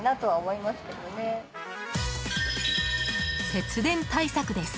節電対策です。